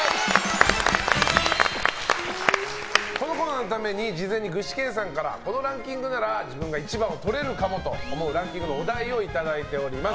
このコーナーのために事前に具志堅さんからこのランキングなら自分が１番をとれるかもと思うランキングのお題をいただいております。